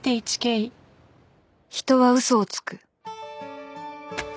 ［人は嘘をつく］